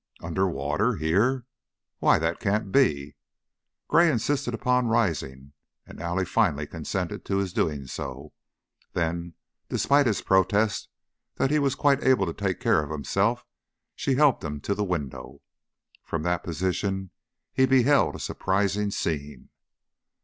"Under water? Here? Why, that can't be." Gray insisted upon rising, and Allie finally consented to his doing so; then, despite his protest that he was quite able to take care of himself, she helped him to the window. From that position he beheld a surprising scene.